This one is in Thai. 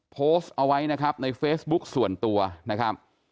โพสต์เอาไว้นะครับในเฟซบุ๊กส่วนตัวนะครับ